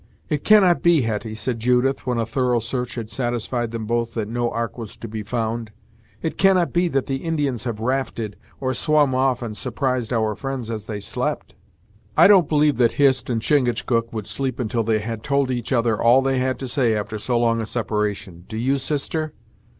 "It cannot be, Hetty," said Judith, when a thorough search had satisfied them both that no ark was to be found; "it cannot be that the Indians have rafted, or swum off and surprised our friends as they slept?" "I don't believe that Hist and Chingachgook would sleep until they had told each other all they had to say after so long a separation do you, sister?"